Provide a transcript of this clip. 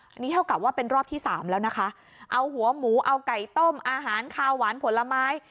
อันนี้เท่ากับว่าเป็นรอบที่สามแล้วนะคะเอาหัวหมูเอาไก่ต้มอาหารคาวหวานผลไม้